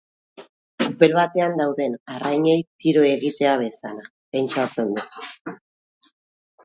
Kupel batean dauden arrainei tiro egitea bezala, pentsatzen du.